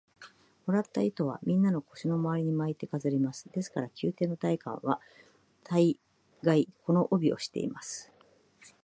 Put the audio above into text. もらった糸は、みんな腰のまわりに巻いて飾ります。ですから、宮廷の大官は大がい、この帯をしています。